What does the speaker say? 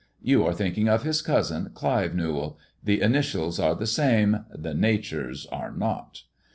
You are thinking of his cousin, Clive Newall — the initials are the same, the natures are not."